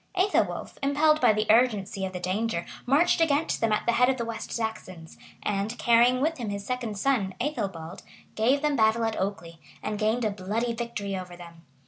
Ethelwolf, impelled by the urgency of the danger, marched against them at the head of the West Saxons; and, carrying with him his second son, Ethelbald, gave them battle at Okely, and gained a bloody victory over them.